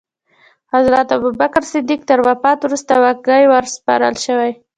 حضرت ابوبکر صدیق تر وفات وروسته واګې وروسپارل شوې.